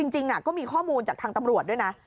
จริงก็มีข้อมูลจากทางตำรวจด้วยนะ